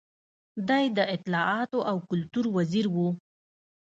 دی د اطلاعاتو او کلتور وزیر و.